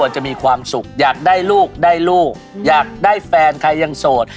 จะมีความสุขอยากได้ลูกได้ลูกอยากได้แฟนใครยังโสด